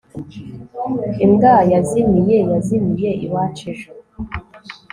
imbwa yazimiye yazimiye iwacu ejo